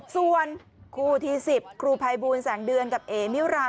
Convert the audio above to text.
ส่วนครูที่๑๐ครูภัยบูลแสงเดือนกับเอ๋มิวรา